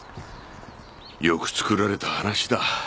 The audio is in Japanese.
よく作られた話だ。